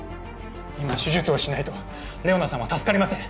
今手術をしないと玲於奈さんは助かりません